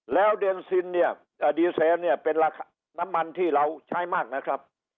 แล้วเดนซินเนี่ยดีเซลเนี่ยเป็นราคาน้ำมันที่เราใช้มากนะครับ